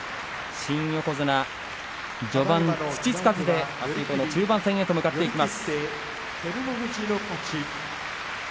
新横綱、序盤、土つかずであすからの中盤戦へと向かっていきます。